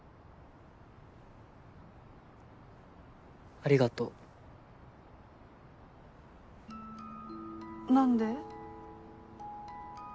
ありがとう。何で？